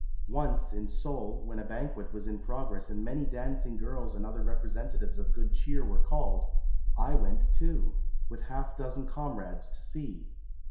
Once in Seoul, when a banquet was in progress and many dancing girls and other representatives of good cheer were called, I went too, with a half dozen comrades, to see.